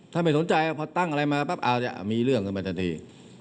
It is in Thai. ถ้าไม่สนใจพอตั้งอะไรมามีอีกเรื่องกันไปทันที